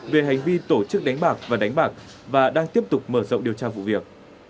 về hành vi tổ chức đánh bạc và đánh bạc và đang tiếp tục mở rộng điều tra vụ việc